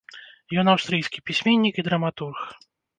Ён аўстрыйскі пісьменнік і драматург.